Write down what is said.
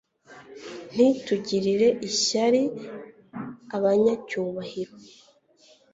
ntitugirire ishyari abanyacyubahiro